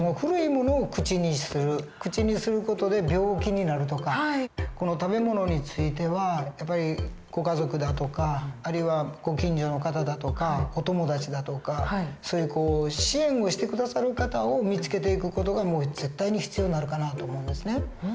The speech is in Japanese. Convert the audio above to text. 口にする事で病気になるとか食べ物についてはやっぱりご家族だとかあるいはご近所の方だとかお友達だとかそういう支援をして下さる方を見つけていく事が絶対に必要になるかなと思うんですね。